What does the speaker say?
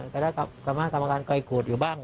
คณะกรรมกรรมการใกล้โขดอยู่บ้าง